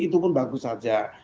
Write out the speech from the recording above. itu pun bagus saja